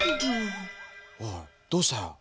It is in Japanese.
おいどうした？